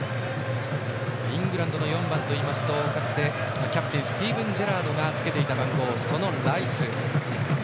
イングランドの４番といいますとかつて、キャプテンスティーブン・ジェラードがつけていたその番号が、ライス。